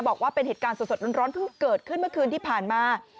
บอกว่าเป็นเหตุการณ์สดร้อนเพิ่งเกิดขึ้นเมื่อคืนที่ผ่านมา